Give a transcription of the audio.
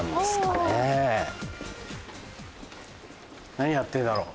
何やってんだろう